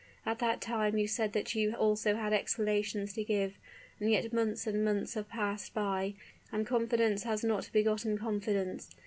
At that time you said that you also had explanations to give; and yet months and months have passed by, and confidence has not begotten confidence.